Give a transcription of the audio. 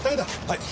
はい。